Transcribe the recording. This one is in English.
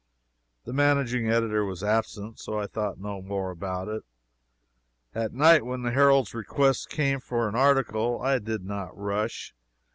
The managing editor was absent, and so I thought no more about it. At night when the Herald's request came for an article, I did not "rush."